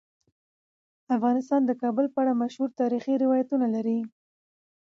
افغانستان د کابل په اړه مشهور تاریخی روایتونه لري.